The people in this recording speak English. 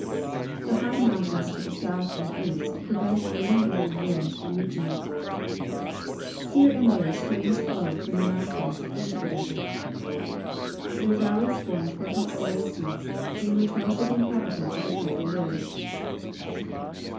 The high mountains to the south and east prevent rain bearing winds from reaching it. Here and there streams flow from the moun tains into the desert. Their valleys form fertile oases, in which most of the inhabitants of the country live.